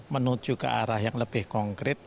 menuju ke arah yang lebih konkret